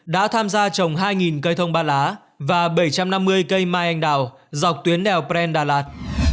đã tham gia trồng hai cây thông ba lá và bảy trăm năm mươi cây mai anh đào dọc tuyến đèo bren đà lạt